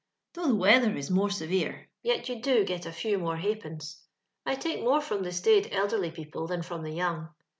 Though the weather is more severe, yet you do get a few more ha'pence. I take more from the staid elderly people than from the young.